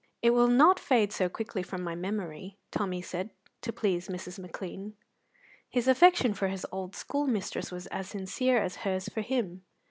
"It will not fade so quickly from my memory," Tommy said, to please Mrs. McLean. His affection for his old schoolmistress was as sincere as hers for him.